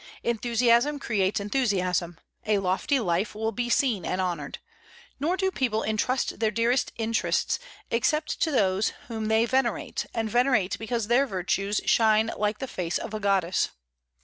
Enthusiasm creates enthusiasm; a lofty life will be seen and honored. Nor do people intrust their dearest interests except to those whom they venerate, and venerate because their virtues shine like the face of a goddess.